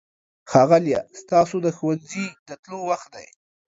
ښاغلیه! ستاسو د ښوونځي د تلو وخت دی.